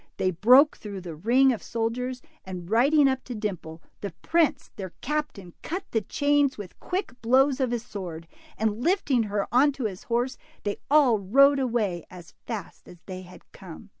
They broke through the ring of soldiers, and riding , up to Dimple, the prince, their captain, cut the chains with quick blows of his sword, and lifting her on to his horse, they all rode away as fast as they had come.